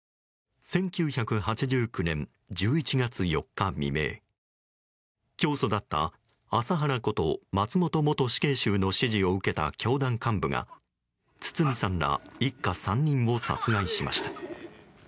１９８９年１１月４日未明教祖だった麻原こと松本元死刑囚の指示を受けた教団幹部が堤さんら一家３人を殺害しました。